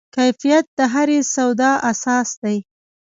کیفیت د هرې سودا اساس دی.